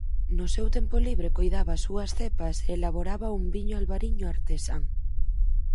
No seu tempo libre coidaba as súas cepas e elaboraba un viño albariño artesán.